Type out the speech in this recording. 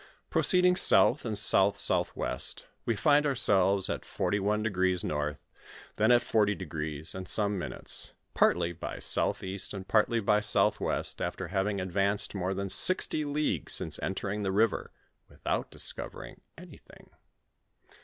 Proceeding south and south southwest, we find ourselves at 41*' north ; then at 40° and some minutes, partly by southeast and partly by southwest, after having advanced more than sixty leagues since entering the river, without discovering anything.